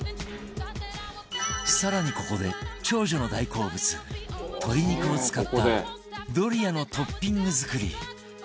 更にここで長女の大好物鶏肉を使ったドリアのトッピング作り